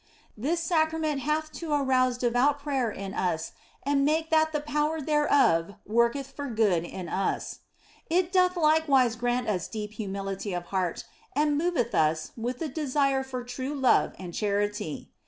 This Sacrament hath to arouse devout prayer in us and make that the power thereof worketh for good in us. It doth likewise grant us deep humility of heart and moveth us with the desire for true love and charity.